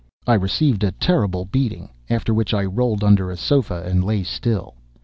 I received a terrible beating—after which I rolled under a sofa and lay still.